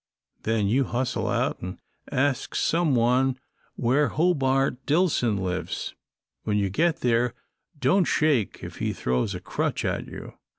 Then you hustle out and ask some one where Hobart Dillson lives. When you get there, don't shake if he throws a crutch at you.